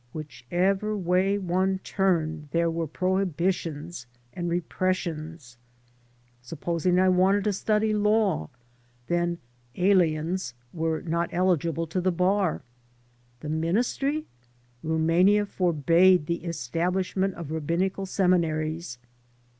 Whichever way one turned there were prohibitions and repressions. Supposing I wanted to study law, then "aliens'* were not eligible to the bar. The ministry? Rumania forbade the establishment of rabbinical seminaries.